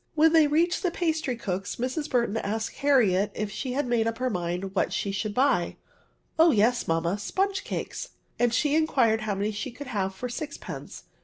When they reached the pastry cook's, Mrs. Burton asked Harriet if she had made up her mmd what she should buy? Oh yes, mamma, sponge cakes;" and she inquired how many she could have for sixpence.